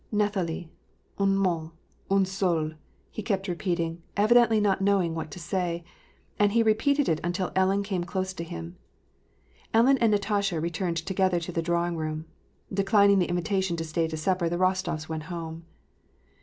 " Nathalie, un mot, un seul,^^ he kept repeating, evidently not knowing what to say; and he repeated it until Ellen came close to him. Ellen and Natasha returned together to the drawing room. Declining the invitation to stay to supper the Kostofs went home.